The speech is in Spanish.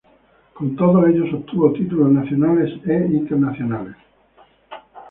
Con todos ellos obtuvo títulos nacionales e internacionales.